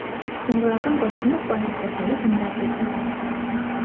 Զինվորական կոչումով պահեստազորի գնդապետ է։